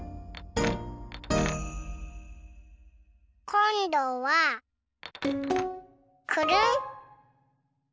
こんどはくるん。